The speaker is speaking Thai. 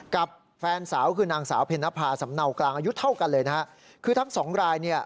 กับแฟนสาวคือนางสาวเพ็ญนภาสำเนากลางอายุเท่ากันเลยนะฮะคือทั้งสองรายเนี่ย